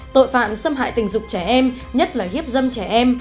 tội phạm xâm hại tình dục trẻ em nhất là hiếp dâm trẻ em